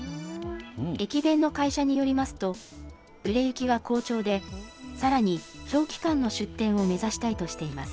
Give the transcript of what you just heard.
駅弁の会社によりますと、売れ行きは好調で、さらに長期間の出店を目指したいとしています。